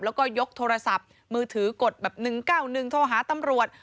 แล้วก็ยกโทรศัพท์มือถือกดแบบ๑๙๑โทรหาตำรวจ